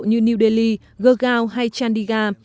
như new delhi gurgaon hay chandigarh